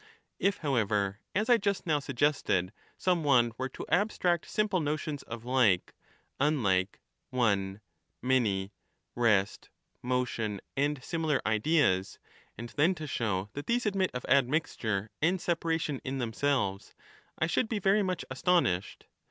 If however, as I just now suggested, some one were to abstract simple notions of like, unlike, one, many, rest, motion, and similar ideas, and then to show that Digitized by VjOOQIC does not extend to the ideas, 49 these admit of admixture and separation in themselves, I Par should be very much astonished.